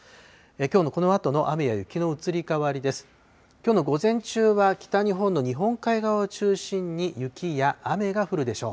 きょうの午前中は、北日本の日本海側を中心に雪や雨が降るでしょう。